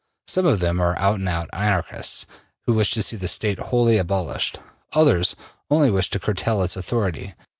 Some of them are out and out Anarchists, who wish to see the State wholly abolished; others only wish to curtail its authority.